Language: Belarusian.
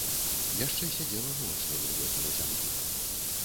Яшчэ сядзела ноч на вільготнай зямлі.